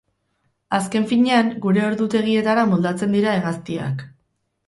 Azken finean, gure ordutegietara moldatzen dira hegaztiak.